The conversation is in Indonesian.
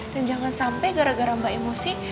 dan jangan sampai gara gara mbak emosi